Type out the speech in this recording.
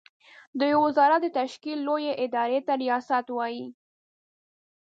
د يوه وزارت د تشکيل لويې ادارې ته ریاست وايې.